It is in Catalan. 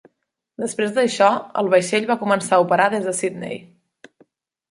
Després d'això, el vaixell va començar a operar des de Sydney.